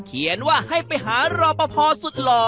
เขียนว่าให้ไปหารอปภสุดหล่อ